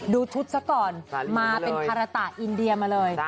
ดูชุดซะก่อนมาเป็นภาระตะอินเดียมาเลย